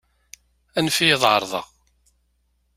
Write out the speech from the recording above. Anef-iyi ad εerḍeɣ.